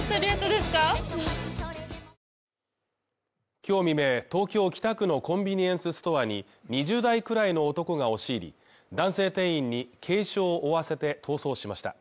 今日未明、東京北区のコンビニエンスストアに２０代くらいの男が押し入り、男性店員に軽傷を負わせて逃走しました。